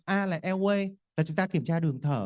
a là airways là chúng ta kiểm tra đường thở